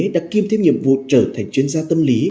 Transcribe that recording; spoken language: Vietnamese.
đã kiêm thêm nhiệm vụ trở thành chuyên gia tâm lý